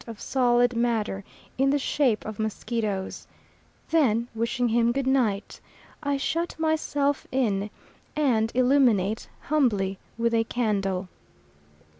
of solid matter in the shape of mosquitoes; then wishing him good night, I shut myself in, and illuminate, humbly, with a candle.